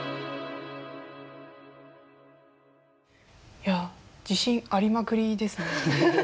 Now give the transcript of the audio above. いや自信ありまくりですね。